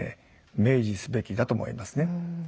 明示すべきだと思いますね。